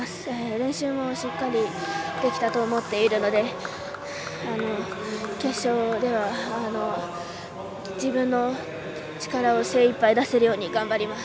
練習もしっかりできたと思っているので決勝では自分の力を精いっぱい出せるように頑張ります。